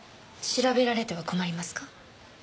調べられては困りますか？